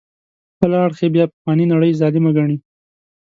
بل اړخ بیا پخوانۍ نړۍ ظالمه ګڼي.